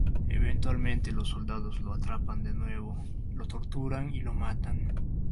Eventualmente los soldados lo atrapan de nuevo, lo torturan y lo matan.